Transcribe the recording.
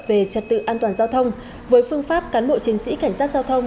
về trật tự an toàn giao thông với phương pháp cán bộ chiến sĩ cảnh sát giao thông